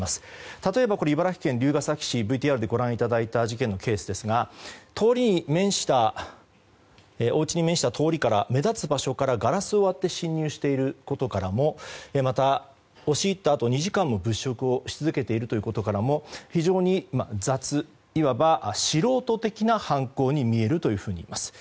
例えば、茨城県龍ケ崎市のＶＴＲでご覧いただいた事件のケースですがおうちに面した通りから目立つ場所からガラスを割って侵入していることからもまた、押し入ったあと２時間も物色し続けていることからも非常に雑、いわば素人的な犯行に見えるといいます。